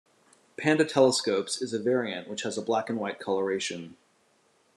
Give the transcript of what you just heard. Panda telescopes is a variant which has a black and white coloration.